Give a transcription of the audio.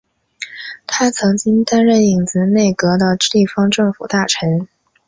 他曾经担任影子内阁的地方政府大臣。